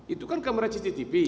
itu kan kamera cctv